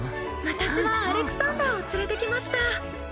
私はアレクサンダーを連れてきました。